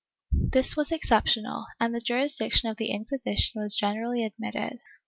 ^ This was exceptional, and the jurisdiction of the Inquisition was generally admitted.